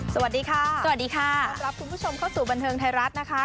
สวัสดีค่ะขอบรับคุณผู้ชมเข้าสู่บนเทิงไทยรัฐนะคะ